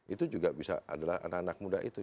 itu juga bisa adalah anak anak muda itu